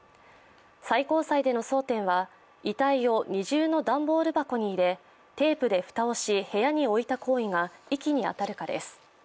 最高裁での争点は遺体を二重の段ボール箱に入れテープで蓋をし、部屋に置いた行為が遺棄に当たるかです。